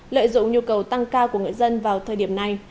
lợi dụng nhu cầu tăng cao của người dân vào thời điểm này